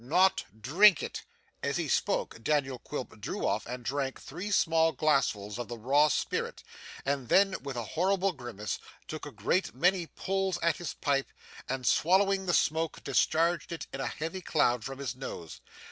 Not drink it!' As he spoke, Daniel Quilp drew off and drank three small glassfuls of the raw spirit, and then with a horrible grimace took a great many pulls at his pipe, and swallowing the smoke, discharged it in a heavy cloud from his nose.